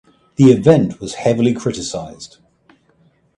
The event was heavily criticized.